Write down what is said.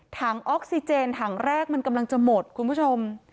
ถังออกซิเจนถังแรกมันกำลังจะหมดคุณผู้ชม